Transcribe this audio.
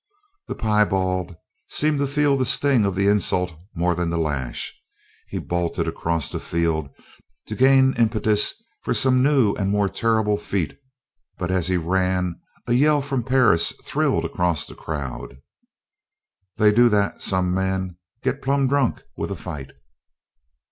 The piebald seemed to feel the sting of the insult more than the lash. He bolted across the field to gain impetus for some new and more terrible feat but as he ran a yell from Perris thrilled across the crowd. "They do that, some men. Get plumb drunk with a fight!"